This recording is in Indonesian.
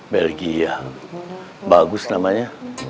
belgia bagus namanya